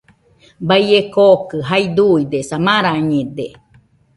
Baie kookɨ jae duidesa, marañede